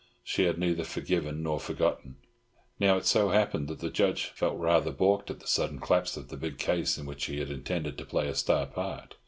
She had neither forgiven nor forgotten. Now, it so happened that the Judge felt rather baulked at the sudden collapse of the big case, in which he had intended to play a star part.